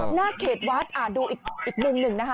หน้าเขตวัดดูอีกมุมหนึ่งนะคะ